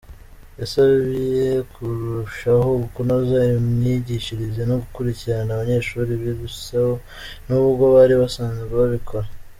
Yabasabye kurushaho kunoza imyigishirize, no gukurikirana abanyeshuri biruseho n’ubwo bari basanzwe babikora.